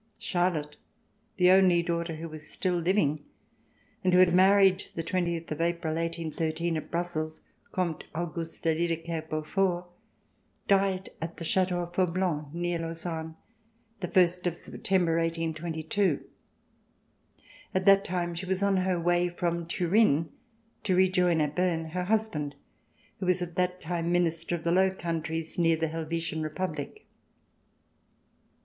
Charlotte, the only daughter who was still living, and who had married the twentieth of Ai)ril, 1813, at Brussels, Comte Auguste de Liedekerke Beaufort, died at the Chateau of Faublanc, near Lucerne, the first of September, 1822. At that time she was on her way from Turin to rejoin at Berne her husband who was at that time Minister of the Low Countries near the Helvetian Republic.